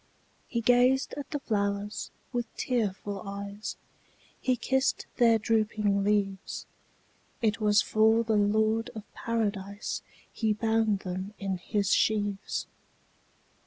'' He gazed at the flowers with tearful eyes, He kissed their drooping leaves; It was for the Lord of Paradise He bound them in his sheaves.